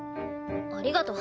ありがとう。